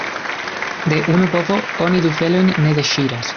De unu bovo oni du felojn ne deŝiras.